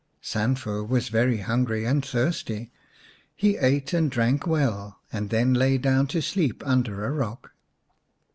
Sanfu was very hungry and thirsty. He ate and drank well, and then lay down to sleep under a rock.